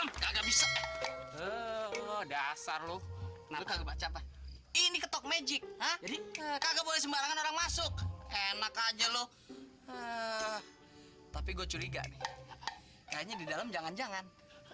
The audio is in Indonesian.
enggak bisa dasar lu ini ketok magic enak aja loh tapi gue curiga nih kayaknya di dalam jangan jangan